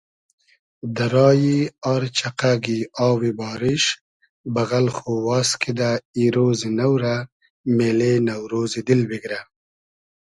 دۂ رایی آر چئقئگی آوی باریش بئغئل خو واز کیدۂ ای رۉزی نۆ رۂ مېلې نۆرۉزی دیل بیگرۂ